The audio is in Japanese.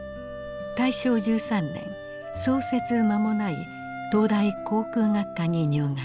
大正１３年創設間もない東大航空学科に入学。